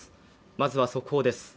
まずは速報です